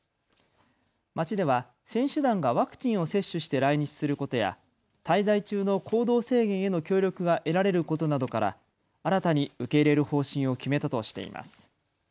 町では選手団がワクチンを接種して来日することや滞在中の行動制限への協力が得られることなどから新たに受け入れる方針を決めたとしています。